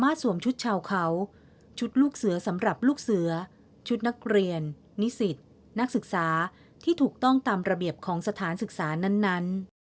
เรียนนิสิตนักศึกษาที่ถูกต้องตามระเบียบของสถานศึกษานั้น